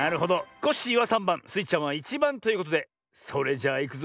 コッシーは３ばんスイちゃんは１ばんということでそれじゃあいくぞ。